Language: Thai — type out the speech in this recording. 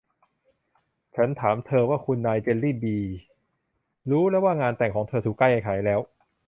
ฉันถามเธอว่า คุณนายเจลลี่บี่ รู้แล้วว่างานแต่งของเธอถูกแก้ไขแล้ว